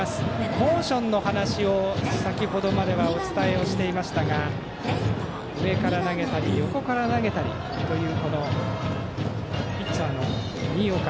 モーションの話を先程まではお伝えしていましたが上から投げたり横から投げたりというこのピッチャーの新岡。